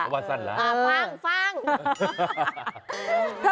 วาสลละฟัง